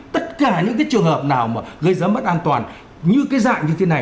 tất cả những cái trường hợp nào mà gây ra mất an toàn như cái dạng như thế này